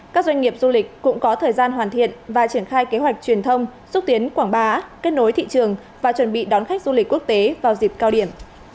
các doanh nghiệp du lịch cũng có thời gian hoàn thiện và triển khai kế hoạch truyền thông xúc tiến quảng bá kết nối thị trường và chuẩn bị đón khách du lịch quốc tế vào dịp cao điểm